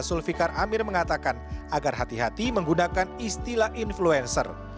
zulfikar amir mengatakan agar hati hati menggunakan istilah influencer